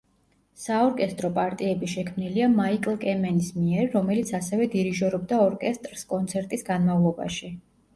საორკესტრო პარტიები შექმნილია მაიკლ კემენის მიერ, რომელიც ასევე დირიჟორობდა ორკესტრს კონცერტის განმავლობაში.